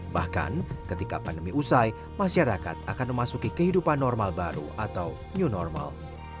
bahkan ketika pandemi usai masyarakat akan memasuki kehidupan normal baru atau new normal